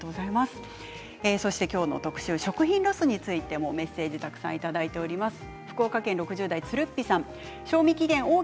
そして今日の特集は食品ロスについてもメッセージたくさんいただいております。